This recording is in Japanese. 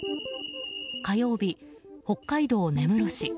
火曜日、北海道根室市。